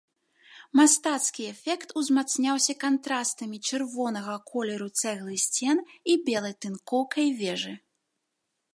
Мастацкі эфект узмацняўся кантрастамі чырвонага колеру цэглы сцен і белай тынкоўкай вежы.